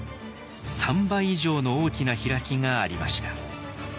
３倍以上の大きな開きがありました。